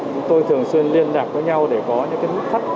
chúng tôi thường xuyên liên lạc với nhau để có những thách